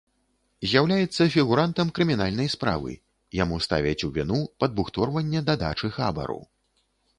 З'яўляецца фігурантам крымінальнай справы, яму ставяць у віну падбухторванне да дачы хабару.